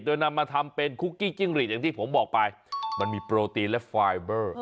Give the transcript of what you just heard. โดยนำมาทำเป็นคุกกี้จิ้งหลีดอย่างที่ผมบอกไปมันมีโปรตีนและไฟเบอร์